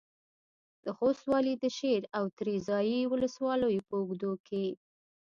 د خوست والي د شېر او تریزایي ولسوالیو په اوږدو کې